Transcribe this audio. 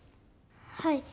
はい。